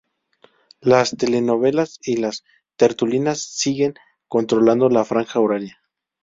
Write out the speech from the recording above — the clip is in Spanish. Las telenovelas y las tertulias siguen controlando la franja horaria.